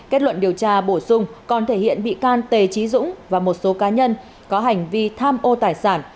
kết luận điều tra bổ sung còn thể hiện bị can tề trí dũng và một số cá nhân có hành vi tham ô tài sản